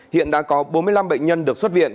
hiện đã có bốn mươi năm bệnh nhân được xuất viện